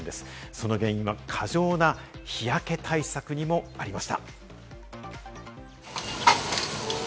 その原因は過剰な日焼け対策にもありました。